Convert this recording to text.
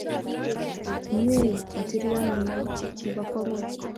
Mye matroninyo ne po kwong'ut